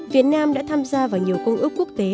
việt nam đã tham gia vào nhiều công ước quốc tế